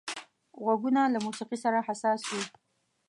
غوږونه له موسيقي سره حساس وي